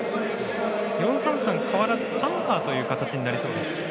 ４−３−３は変わらずアンカーという形になりそうです。